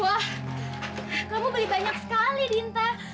wah kamu beli banyak sekali dinta